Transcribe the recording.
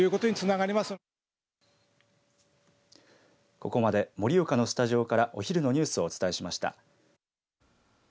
ここまで盛岡のスタジオからお昼のニュースをお伝えしました。